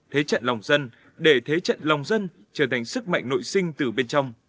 thế trận lòng dân để thế trận lòng dân trở thành sức mạnh nội sinh từ bên trong